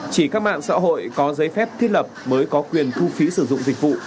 chỉ các mạng xã hội có giấy phép thiết lập mới có quyền thu phí sử dụng dịch vụ